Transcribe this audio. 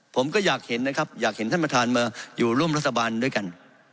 ผมก็อยากเห็นนะครับอยากเห็นท่านประธานมาอยู่ร่วมรัฐบาลด้วยกัน